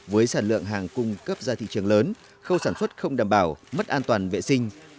với sản lượng hàng cung cấp ra thị trường lớn khâu sản xuất không đảm bảo mất an toàn vệ sinh